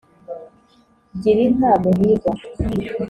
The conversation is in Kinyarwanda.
Gira inka Muhirwa